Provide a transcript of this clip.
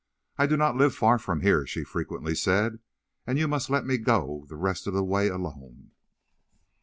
"I do not live far from here," she frequently said, "and you must let me go the rest of the way alone."